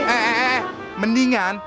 eh eh eh mendingan